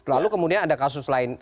lalu kemudian ada kasus lain